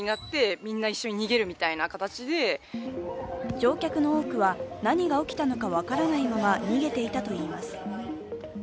乗客の多くは何が起きたのか分からないまま逃げていたといいます。